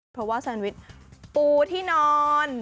เพราะว่าแซนวิชปูที่นอน